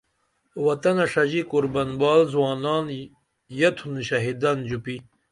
وطنہ ݜژی قربن بال زوانان یتُھن شھیدان ژوپی